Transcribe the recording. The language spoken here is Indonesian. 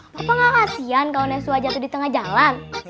papa gak kasian kalau neswa jatuh di tengah jalan